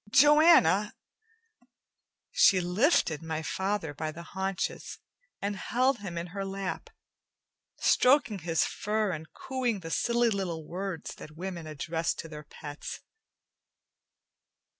"Joanna!" She lifted my father by the haunches, and held him in her lap, stroking his fur and cooing the silly little words that women address to their pets.